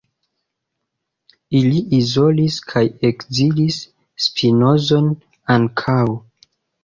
Ili izolis kaj ekzilis Spinozon ankaŭ.